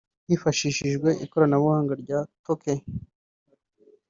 Hifashishijwe ikoranabuhanga rya TorQue